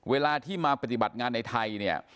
เวลาที่มาปฏิบัติงานในไทย